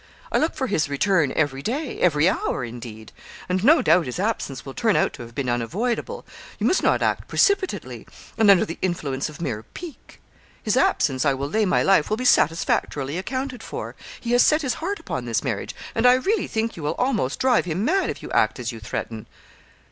I look for his return every day every hour, indeed and no doubt his absence will turn out to have been unavoidable. You must not act precipitately, and under the influence of mere pique. His absence, I will lay my life, will be satisfactorily accounted for; he has set his heart upon this marriage, and I really think you will almost drive him mad if you act as you threaten.'